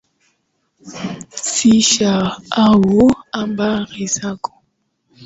Sisahau habari zako.